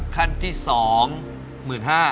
ขั้นที่สองหมื่นห้า